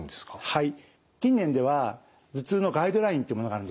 はい。